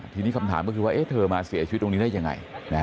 ทีนี้คำถามก็คือว่าเธอมาเสียชีวิตตรงนี้ได้ยังไง